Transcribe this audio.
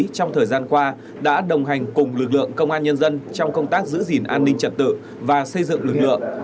trong thời gian qua đã đồng hành cùng lực lượng công an nhân dân trong công tác giữ gìn an ninh trật tự và xây dựng lực lượng